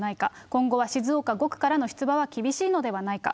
今後は静岡５区からの出馬は厳しいのではないか。